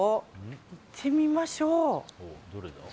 行ってみましょう。